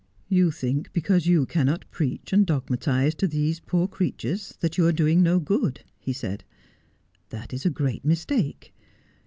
'You think because you cannot preach and dogmatize to these poor creatures that you are doing no good,' he said. ' That is a great mistake.